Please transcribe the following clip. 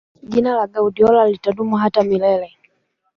jina la guardiola litadumu hata milele